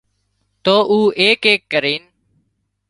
تو او ايڪ ايڪ ڪرينَ